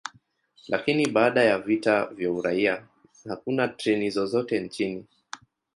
Lakini baada ya vita vya uraia, hakuna treni zozote nchini.